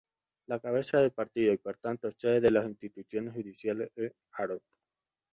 La cabeza de partido y por tanto sede de las instituciones judiciales es Haro.